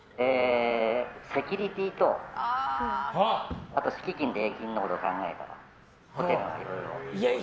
セキュリティーと敷金・礼金のことを考えたらホテルのほうがいろいろ。